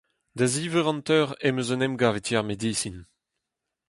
Da ziv eur hanter em eus un emgav e ti ar medisin.